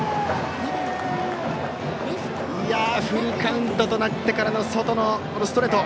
フルカウントとなってからの外のストレート。